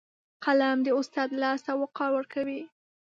قلم د استاد لاس ته وقار ورکوي